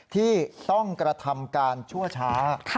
ที่ต้องกระทำการชั่วช้า